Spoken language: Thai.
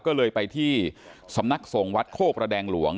ก็เลยไปที่สำนักทรงวัดโคกระแดงหลวง